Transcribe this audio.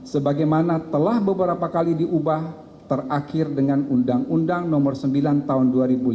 sebagaimana telah beberapa kali diubah terakhir dengan undang undang nomor sembilan tahun dua ribu lima belas